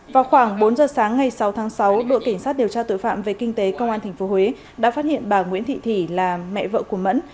vào khoảng bốn giờ sáng ngày sáu tháng sáu đội cảnh sát điều tra tội phạm về kinh tế công an tp huế đã phát hiện bà nguyễn thị thủy là mẹ vợ của mẫn